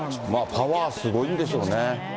パワー、すごいんでしょうね。